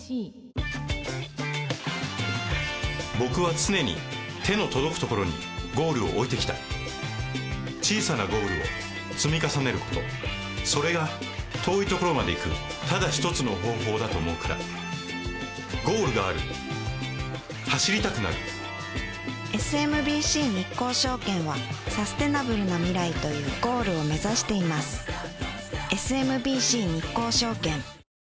僕は常に手の届くところにゴールを置いてきた小さなゴールを積み重ねることそれが遠いところまで行くただ一つの方法だと思うからゴールがある走りたくなるＳＭＢＣ日興証券はサステナブルな未来というゴールを目指していますＳＭＢＣ日興証券